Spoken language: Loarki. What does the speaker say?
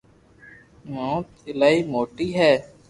مونٽ ايلائي موٽي ھي